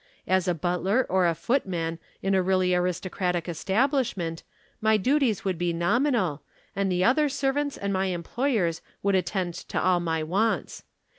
As a butler or a footman in a really aristocratic establishment, my duties would be nominal, and the other servants and my employers would attend to all my wants.